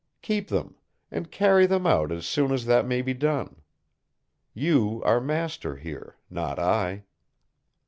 Keep them, and carry them out as soon as that may be done. You are master here, not I."